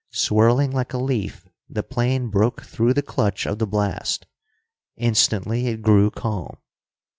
Swirling like a leaf, the plane broke through the clutch of the blast. Instantly it grew calm.